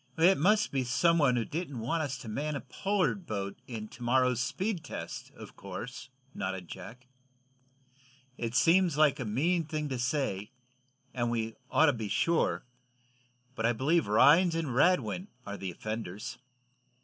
"It must be some one who didn't want us to man a Pollard boat in to morrow's speed test, of course," nodded Jack. "It seems like a mean thing to say, and we ought to be sure, but I believe Rhinds and Radwin are the offenders."